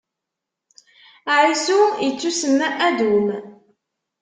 Ɛisu, ittusemma Adum.